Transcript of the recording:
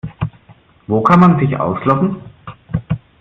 Wo kann man sich ausloggen?